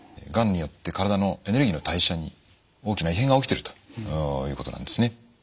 がんによって体のエネルギーの代謝に大きな異変が起きてるということなんですね。